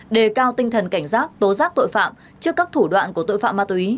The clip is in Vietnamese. đề cao tinh thần cảnh giác tố giác tội phạm trước các thủ đoạn của tội phạm ma túy